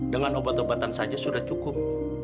dengan obat obatan saja sudah cukup